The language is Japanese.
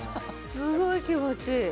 すごい気持ちいい。